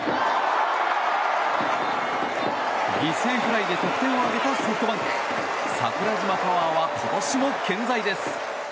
犠牲フライで得点を挙げたソフトバンク。桜島パワーは今年も健在です。